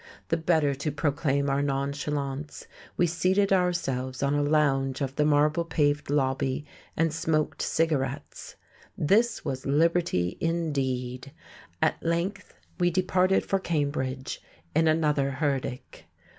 The better to proclaim our nonchalance, we seated ourselves on a lounge of the marble paved lobby and smoked cigarettes. This was liberty indeed! At length we departed for Cambridge, in another herdic.